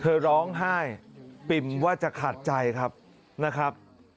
เธอร้องไห้ปิ่มว่าจะขาดใจครับนะครับ